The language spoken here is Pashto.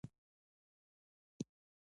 سټیو سميټ د کرکټ نړۍ پېژندلی دئ.